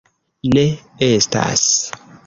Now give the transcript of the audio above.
Ne estas.